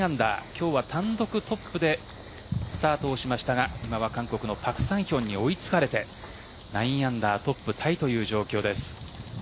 今日は単独トップでスタートをしましたが今は韓国のパク・サンヒョンに追いつかれて９アンダートップタイという状況です。